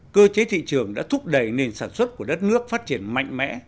cơ chế thị trường đã thúc đẩy nền sản xuất của đất nước phát triển mạnh mẽ